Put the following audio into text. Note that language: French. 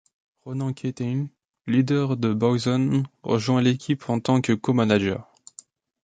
Ronan Keating, leader de Boyzone, rejoint l'équipe en tant que co-manager.